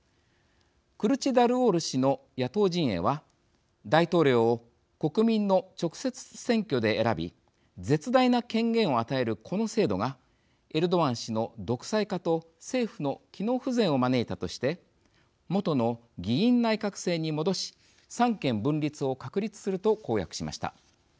クルチダルオール氏の野党陣営は大統領を国民の直接選挙で選び絶大な権限を与えるこの制度がエルドアン氏の独裁化と政府の機能不全を招いたとして元の議院内閣制に戻し三権分立を確立すると公約しました。